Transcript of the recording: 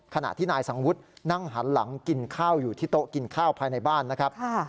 ขณะที่นายสังวุฒินั่งหันหลังกินข้าวอยู่ที่โต๊ะกินข้าวภายในบ้านนะครับ